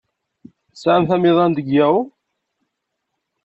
Tesɛamt amiḍan deg Yahoo?